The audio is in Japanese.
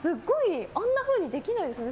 あんなふうにできないですよね。